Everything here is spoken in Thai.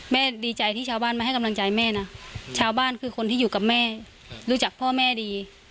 ดีใจที่ชาวบ้านมาให้กำลังใจแม่นะชาวบ้านคือคนที่อยู่กับแม่รู้จักพ่อแม่ดี